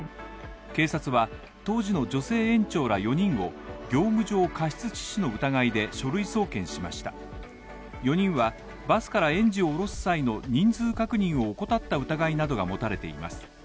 警察は当時の女性園長ら４人を業務上過失致死の疑いで書類送検しました４人はバスからエンジンを降ろす際の人数確認を怠った疑いなどが持たれています。